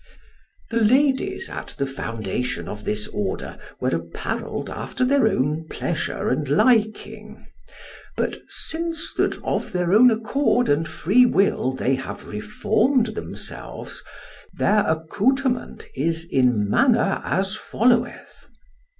The ladies at the foundation of this order were apparelled after their own pleasure and liking; but, since that of their own accord and free will they have reformed themselves, their accoutrement is in manner as followeth.